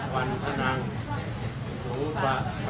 ขอบคุณครับ